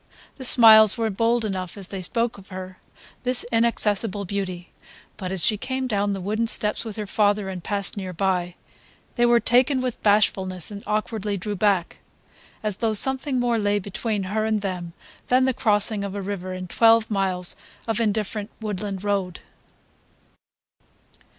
The smiles were bold enough as they spoke of her, this inaccessible beauty; but as she came down the wooden steps with her father and passed near by, they were taken with bashfulness and awkwardly drew back, as though something more lay between her and them than the crossing of a river and twelve miles of indifferent woodland road.